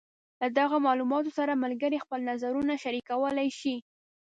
له دغو معلوماتو سره ملګري خپل نظرونه شریکولی شي.